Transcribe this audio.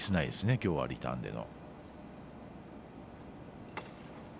きょうはリターンでの。